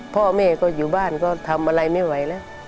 พ่อแม่ก็อยู่บ้านก็ทำอะไรไม่ไหวแล้ว